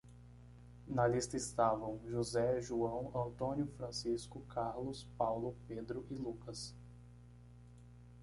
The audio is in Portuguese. Na lista estavam: José, João, António, Francisco, Carlos, Paulo, Pedro e Lucas.